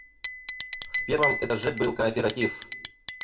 В первом этаже был кооператив.